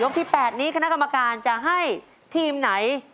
ที่๘นี้คณะกรรมการจะให้ทีมไหน